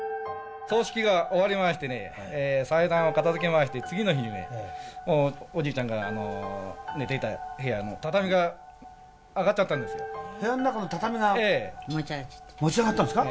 葬式が終わりましてね、祭壇を片づけまして、次の日にね、おじいちゃんが寝ていた部屋の畳が上がっちゃったんですよ。